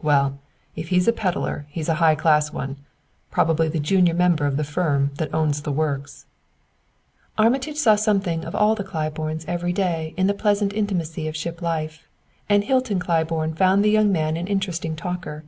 "Well, if he's a peddler he's a high class one probably the junior member of the firm that owns the works." Armitage saw something of all the Claibornes every day in the pleasant intimacy of ship life, and Hilton Claiborne found the young man an interesting talker.